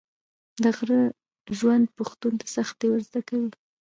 د غره ژوند پښتون ته سختي ور زده کوي.